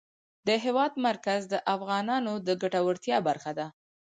د هېواد مرکز د افغانانو د ګټورتیا برخه ده.